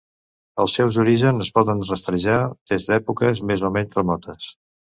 Els seus orígens es poden rastrejar des d'èpoques més o menys remotes.